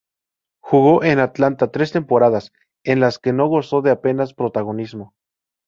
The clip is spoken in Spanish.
Jugó en Atlanta tres temporadas, en las que no gozó de apenas protagonismo.